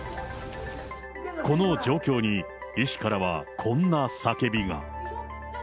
この状況に、医師からはこんな叫びが。